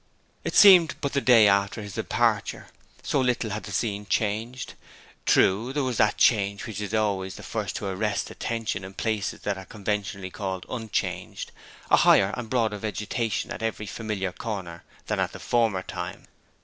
It seemed but the day after his departure, so little had the scene changed. True, there was that change which is always the first to arrest attention in places that are conventionally called unchanging a higher and broader vegetation at every familiar corner than at the former time.